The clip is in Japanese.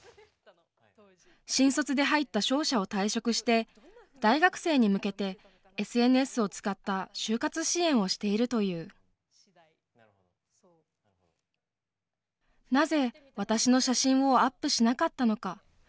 新卒で入った商社を退職して大学生に向けてＳＮＳを使った就活支援をしているというなぜ私の写真をアップしなかったのか。